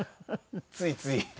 ついつい。